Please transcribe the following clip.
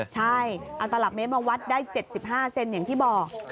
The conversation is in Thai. ใช่เอาตลับเมตรมาวัดได้๗๕เซนอย่างที่บอก